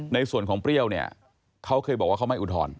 ในส่วนของเปรี้ยวเนี่ยเขาเคยบอกว่าเขาไม่อุทธรณ์